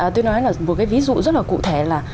tôi nói là một cái ví dụ rất là cụ thể là